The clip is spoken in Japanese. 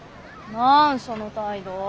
何その態度。